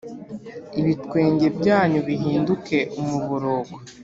Ibitwenge byanyu bihinduke umuborogo